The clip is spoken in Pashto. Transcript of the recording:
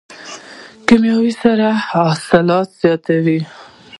کیمیاوي سره حاصلات زیاتوي.